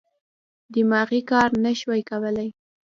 دماغي کار نه شوای کولای.